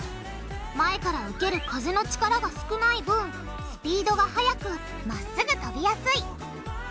前から受ける風の力が少ない分スピードが速く真っ直ぐ飛びやすい。